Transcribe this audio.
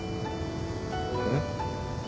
えっ。